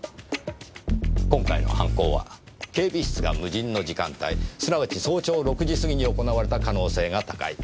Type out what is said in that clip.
今回の犯行は警備室が無人の時間帯すなわち早朝６時過ぎに行われた可能性が高い。